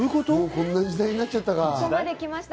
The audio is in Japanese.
こんな時代になっちゃったか。